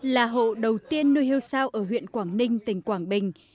là hộ đầu tiên nuôi hưu sao ở huyện quảng ninh tỉnh quảng bình